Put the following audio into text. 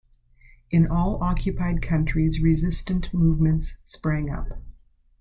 In all occupied countries resistance movements sprang up.